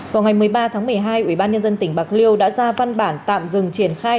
vào ngày một mươi ba tháng một mươi hai ủy ban nhân dân tỉnh bạc liêu đã ra văn bản tạm dừng triển khai